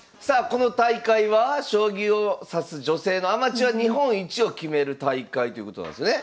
この大会は将棋を指す女性のアマチュア日本一を決める大会ということなんですね。